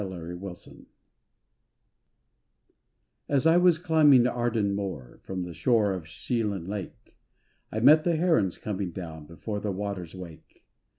218 THE HERONS As I was climbing Ardan Mor From the shore of Sheelan lake, I met the herons coming down Before the water's wake.